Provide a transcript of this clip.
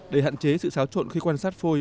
để hạn chế sự xáo trộn khi quan sát phôi